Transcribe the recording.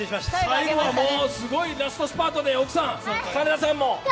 最後はもうすごいラストスパートで、奥さんも。